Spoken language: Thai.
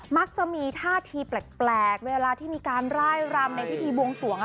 มักจะมีท่าทีแปลกเวลาที่มีการร่ายรำในพิธีบวงสวง